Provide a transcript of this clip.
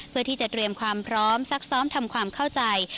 เพื่อที่จะเตรียมความพร้อมซักซ้อมทำความเข้าใจ